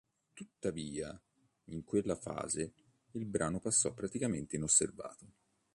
Tuttavia in quella fase il brano passò praticamente inosservato.